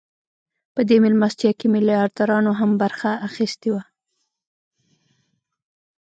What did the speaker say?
په دې مېلمستیا کې میلیاردرانو هم برخه اخیستې وه